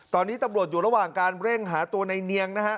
ตอนนี้ตำรวจอยู่ระหว่างการเร่งหาตัวในเนียงนะฮะ